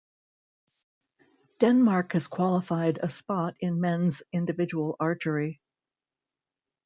Denmark has qualified a spot in men's individual archery.